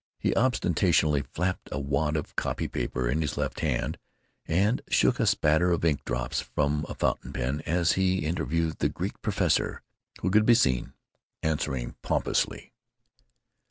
He ostentatiously flapped a wad of copy paper in his left hand, and shook a spatter of ink drops from a fountain pen as he interviewed the Greek professor, who could be seen answering pompously.